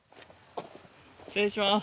失礼します。